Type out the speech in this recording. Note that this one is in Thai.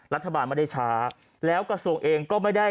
รัฐบาลไม่ได้ช้าแล้วกระทรวงเองก็ไม่ได้